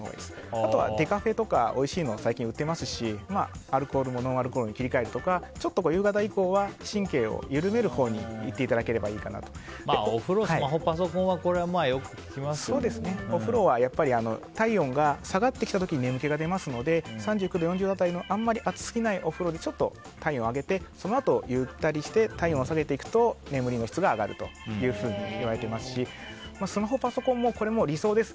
あとはデカフェとかおいしいの最近売ってますしアルコールもノンアルコールに切り替えるとか夕方以降は神経を緩めるほうにお風呂、スマホ、パソコンはお風呂はやっぱり体温が下がってきた時に眠気が出ますので３９度から４０度辺りのあんまり熱すぎないお風呂でちょっと体温を上げてそのあとゆったりして体温を下げていくと眠りの質が上がるというふうに言われてますしスマホ、パソコンもこれは理想です。